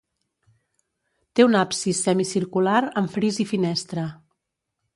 Té un absis semicircular amb fris i finestra.